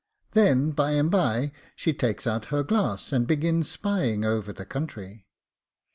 Then by and by she takes out her glass, and begins spying over the country.